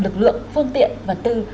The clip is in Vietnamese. lực lượng phương tiện vật tư